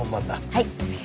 はい。